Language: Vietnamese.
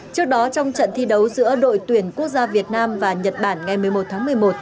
trước đó trong trận thi đấu giữa đội tuyển quốc gia việt nam và nhật bản ngày một mươi một tháng một mươi một